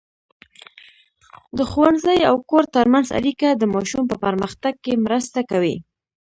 د ښوونځي او کور ترمنځ اړیکه د ماشوم په پرمختګ کې مرسته کوي.